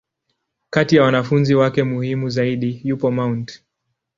Kati ya wanafunzi wake muhimu zaidi, yupo Mt.